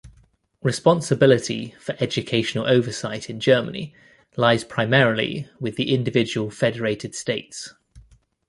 Responsibility for educational oversight in Germany lies primarily with the individual federated states.